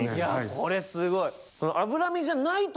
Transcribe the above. これすごい！